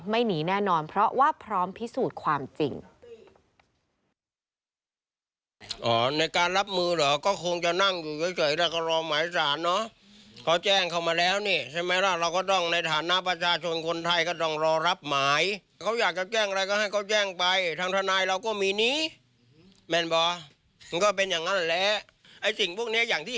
หนีแน่นอนเพราะว่าพร้อมพิสูจน์ความจริง